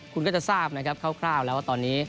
คุณก็จะทราบนะครับคร่าวแล้วว่าตอนนี้